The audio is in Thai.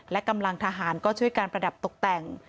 และกำลังทหารก็ช่วยการประดับตกแต่ง